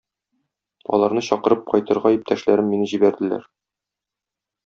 Аларны чакырып кайтырга иптәшләрем мине җибәрделәр.